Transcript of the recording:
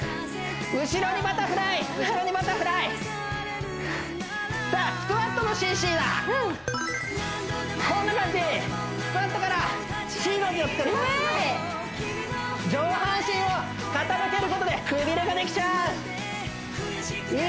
後ろにバタフライ後ろにバタフライさあスクワットのＣＣだこんな感じスクワットからＣの字をつくる上半身を傾けることでくびれができちゃういいね